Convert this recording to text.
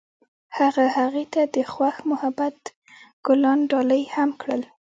هغه هغې ته د خوښ محبت ګلان ډالۍ هم کړل.